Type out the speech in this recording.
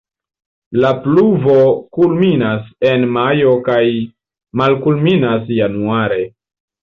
La pluvo kulminas en majo kaj malkulminas januare.